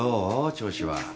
調子は